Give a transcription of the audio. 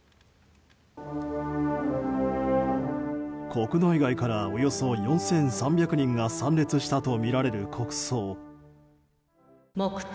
国内外からおよそ４３００人が参列したとみられる国葬。